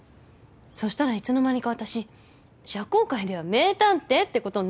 そしたらいつの間にか私社交界では名探偵ってことになってて。